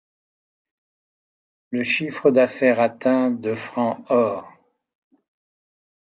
Le chiffre d'affaires atteint de francs-or.